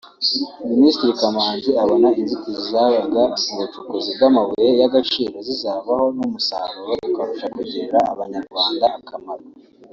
Minisitiri Kamanzi abona inzitizi zabaga mu bucukuzi bw’amabuye y’agaciro zizavaho n’umusaruro ukarushaho kugirira Abanyarwanda akamaro